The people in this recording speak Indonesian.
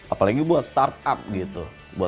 apalagi buat startup gitu